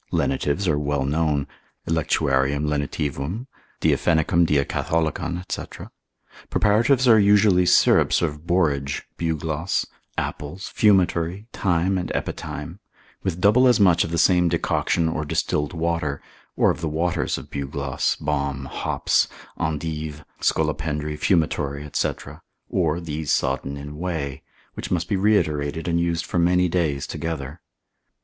Lenitives are well known, electuarium lenitivum, diaphenicum diacatholicon, &c. Preparatives are usually syrups of borage, bugloss, apples, fumitory, thyme and epithyme, with double as much of the same decoction or distilled water, or of the waters of bugloss, balm, hops, endive, scolopendry, fumitory, &c. or these sodden in whey, which must be reiterated and used for many days together.